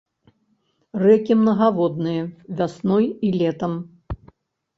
Рэкі мнагаводныя вясной і летам.